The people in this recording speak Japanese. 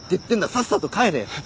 さっさと帰れよ。